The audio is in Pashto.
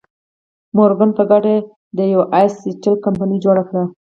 مورګان په ګډه د یو ایس سټیل کمپنۍ جوړه کړه.